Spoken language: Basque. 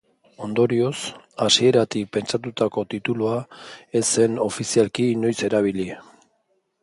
Ondorioz, hasieratik pentsatutako titulua ez zen ofizialki inoiz erabili.